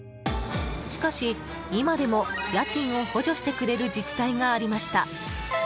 しかし、今でも家賃を補助してくれる自治体がありました。